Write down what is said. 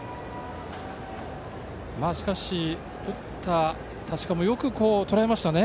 しかし、打った太刀川もよくとらえましたね。